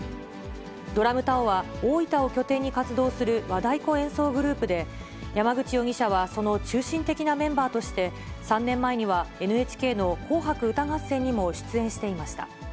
ＤＲＵＭＴＡＯは大分を拠点に活動する和太鼓演奏グループで、山口容疑者はその中心的なメンバーとして、３年前にはＮＨＫの紅白歌合戦にも出演していました。